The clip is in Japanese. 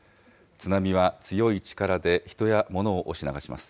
津波は強い力で人や物を押し流します。